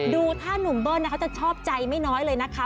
ดูถ้านุ่มเบิ้ลเขาจะชอบใจไม่น้อยเลยนะคะ